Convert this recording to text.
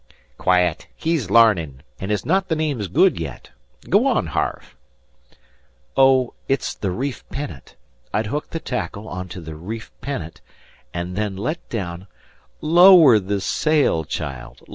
"Quiet! He's larnin', an' has not the names good yet. Go on, Harve." "Oh, it's the reef pennant. I'd hook the tackle on to the reef pennant, and then let down " "Lower the sail, child!